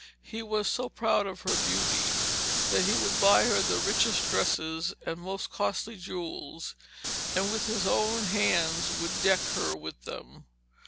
He was so proud of her beauty that he would buy her the richest dresses and most costly jewels, and with his own hands would deck her with them.